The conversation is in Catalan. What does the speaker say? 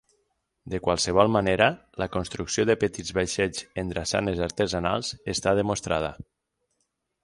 De qualsevol manera, la construcció de petits vaixells en drassanes artesanals està demostrada.